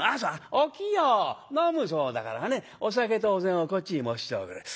お清飲むそうだからねお酒とお膳をこっちに持ってきておくれ。